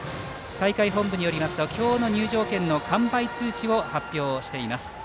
大会本部によりますと今日の入場券の完売通知を発表しています。